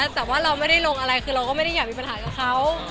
แต่ว่าเราไม่ได้ลงอะไรคือเราก็ไม่ได้อยากมีปัญหากับเขา